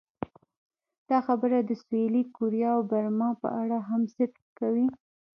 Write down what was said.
دا خبره د سویلي کوریا او برما په اړه هم صدق کوي.